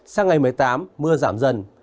sau ngày một mươi tám mưa giảm dần